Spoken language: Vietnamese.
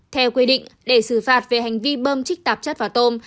theo quy định để xử phạt về hành vi bơm chích tạp chất vào tôm